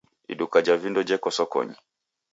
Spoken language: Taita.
Iduka ja vindo jeko sokonyi.